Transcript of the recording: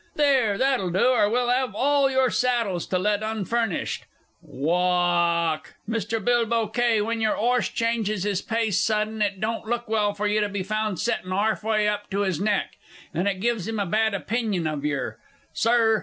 There, that'll do or we'll 'ave all your saddles to let unfurnished. Wa alk! Mr. Bilbow Kay, when your 'orse changes his pace sudden, it don't look well for you to be found settin' 'arf way up his neck, and it gives him a bad opinion of yer, Sir.